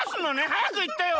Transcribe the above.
はやくいってよ。